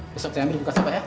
besok saya ambil buka pak ya